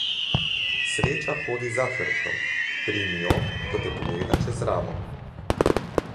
Sreča hodi za hrbtom; primi jo, ko te pogleda čez ramo.